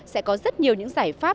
sẽ có rất nhiều những giải pháp